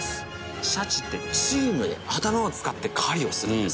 シャチってチームで頭を使って狩りをするんです。